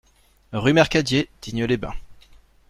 Rue Mercadier, Digne-les-Bains